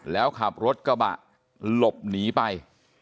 แล้วขับรถกระบะหลบหนีไป